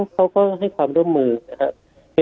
เขาก็ให้ความร่วมมือ